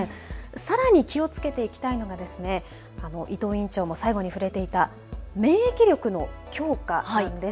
さらに気をつけていきたいのが伊藤院長も最後に触れていた免疫力の強化です。